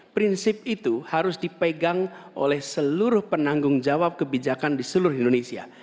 prinsip itu harus dipegang oleh seluruh penanggung jawab kebijakan di seluruh indonesia